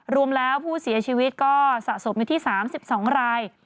รวมแล้วผู้เสียชีวิตก็สะสมอยู่ที่๓๒ราย